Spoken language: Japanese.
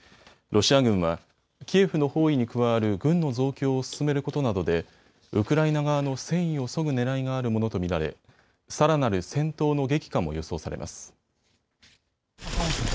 ロシア軍は、キエフの包囲に加わる軍の増強を進めることなどでウクライナ側の戦意をそぐねらいがあるものと見られさらなる戦闘の激化も予想されます。